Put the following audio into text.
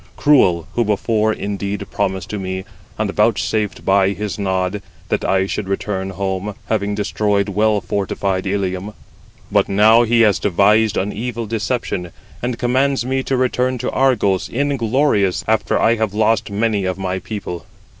Cruel, who before indeed promised to me, and vouchsafed by his nod, that I should return home, having destroyed well fortified Ilium. But now he has devised an evil deception, and commands me to return to Argos, inglorious, after I have lost many of my people.